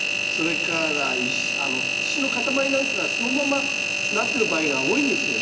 それから土の塊なんかがそのままなってる場合が多いんですよね。